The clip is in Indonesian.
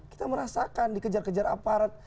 kita merasakan dikejar kejar aparat